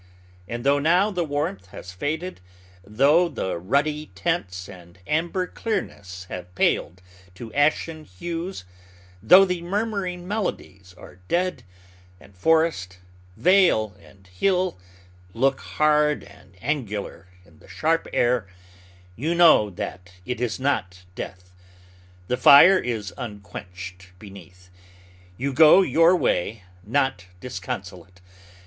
And though now the warmth has faded out, though the ruddy tints and amber clearness have paled to ashen hues, though the murmuring melodies are dead, and forest, vale, and hill look hard and angular in the sharp air, you know that it is not death. The fire is unquenched beneath. You go your way not disconsolate.